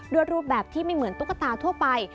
รูปแบบที่ไม่เหมือนตุ๊กตาทั่วไป